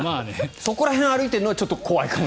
そこら辺を歩いてるのはちょっと怖いかも。